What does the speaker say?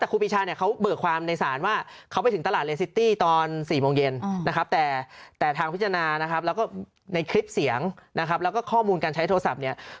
แต่ครูปีชาเนี่ยเขาเบิกความในศาลว่าเขาไปถึงตลาดเลซิตี้ตอน๔โมงเย็นนะครับแต่ทางพิจารณานะครับแล้วก็ในคลิปเสียงนะครับแล้วก็ข้อมูลการใช้โทรศัพท์เนี่ย